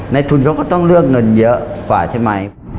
ทุนเขาก็ต้องเลือกเงินเยอะกว่าใช่ไหม